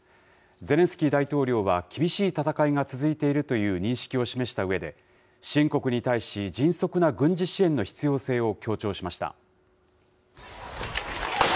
ゼレンスキー大統領は、厳しい戦いが続いているという認識を示したうえで、支援国に対し、迅速な軍事支援の必要性を強調しました。